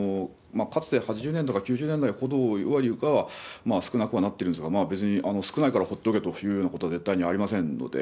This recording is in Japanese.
かつて、８０年代とか９０年代ほどよりかは少なくはなってるんですが、少ないから放っておけということは、絶対にありませんので。